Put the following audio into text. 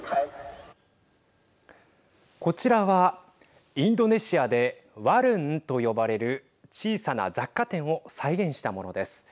こちらは、インドネシアでワルンと呼ばれる小さな雑貨店を再現したものです。